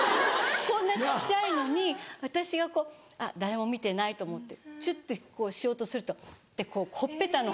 こんな小っちゃいのに私が誰も見てないと思ってチュってしようとするとってこうほっぺたの方。